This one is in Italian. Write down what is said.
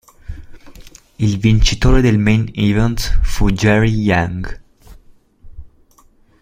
Il vincitore del Main Event fu Jerry Yang.